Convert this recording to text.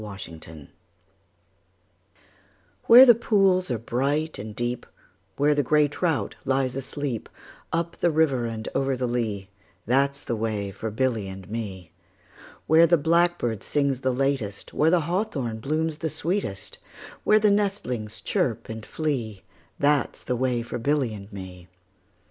A Boy's Song WHERE the pools are bright and deep, Where the grey trout lies asleep, Up the river and over the lea, That 's the way for Billy and me. Where the blackbird sings the latest, 5 Where the hawthorn blooms the sweetest, Where the nestlings chirp and flee, That 's the way for Billy and me.